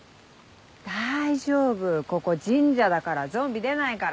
大丈夫ここ神社だからゾンビ出ないから。